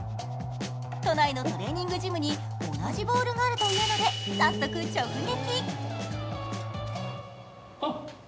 都内のトレーニングジムに同じボールがあるというので早速直撃。